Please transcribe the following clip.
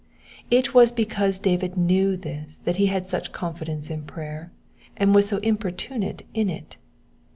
It was because David knew this* that he had such confidence in prayer, and was so importunate in it.